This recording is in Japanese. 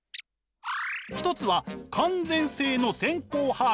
一つは完全性の先行把握。